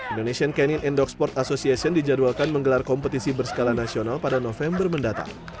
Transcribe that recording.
indonesian canin and dog sport association dijadwalkan menggelar kompetisi berskala nasional pada november mendatang